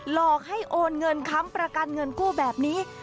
หลอกให้โอนเงินค้ำประกันเงินกู้แบบนี้